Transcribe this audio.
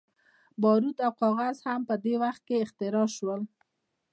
باروت او کاغذ هم په دې وخت کې اختراع شول.